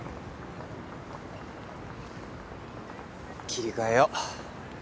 切り替えよう。